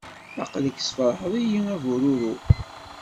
Aql-ak tesferḥeḍ-iyi-d a bururu.